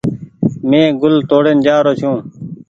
مين گل توڙين جآ رو ڇي۔